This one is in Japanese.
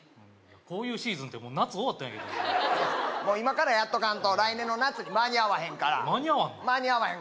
こういうシーズンってもう夏終わったんやけどもう今からやっとかんと来年の夏に間に合わへんから間に合わんの？